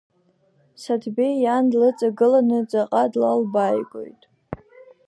Саҭбеи иан длыҵагыланы ҵаҟа длалбааигоит.